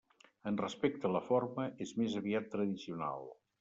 En respecte a la forma, és més aviat tradicional.